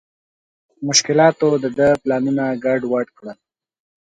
مشکلاتو د ده پلانونه ګډ وډ کړل.